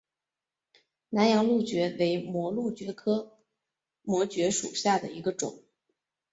南洋蕗蕨为膜蕨科膜蕨属下的一个种。